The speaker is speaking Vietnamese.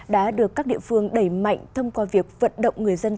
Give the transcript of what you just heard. đã được các địa phương đẩy mạnh thông qua việc vận động người dân